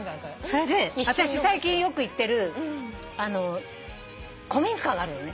それで私最近よく行ってる古民家があるのね。